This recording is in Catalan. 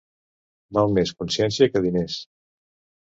Val més consciència que diners.